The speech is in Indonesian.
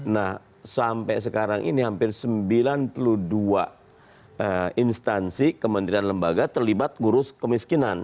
nah sampai sekarang ini hampir sembilan puluh dua instansi kementerian lembaga terlibat ngurus kemiskinan